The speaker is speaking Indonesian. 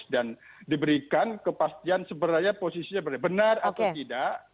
dan diberikan kepastian sebenarnya posisinya benar atau tidak